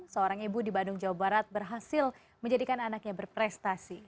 seorang ibu di bandung jawa barat berhasil menjadikan anaknya berprestasi